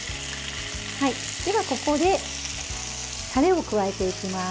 ではここでタレを加えていきます。